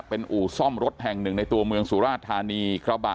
เป็นอู่ซ่อมรถแห่งหนึ่งในตัวเมืองสุราชธานีกระบะ